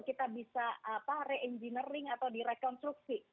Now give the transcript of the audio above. kita bisa re engineering atau direkonstruksi